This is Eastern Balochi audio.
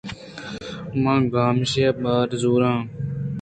من گامیشے بھا زُور آں